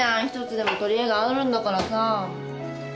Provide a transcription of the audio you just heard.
一つでも取りえがあるんだからさ。